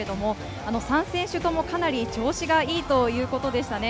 ３選手ともかなり調子がいいということでした。